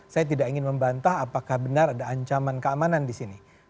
saya tidak ingin membantah apakah benar ada ancaman keamanan di sini